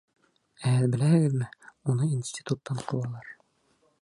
Ә һеҙ беләһегеҙме, уны институттан ҡыуалар?